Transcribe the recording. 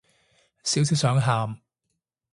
少少想喊